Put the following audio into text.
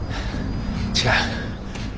違う。